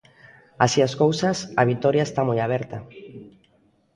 Así as cousas, a vitoria está moi aberta.